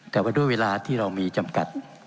แต่ว่าด้วยเวลาที่เรามีจำกัด